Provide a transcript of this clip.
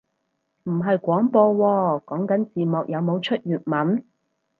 唔係廣播喎，講緊字幕有冇出粵文